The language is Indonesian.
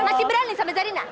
masih berani sama zarina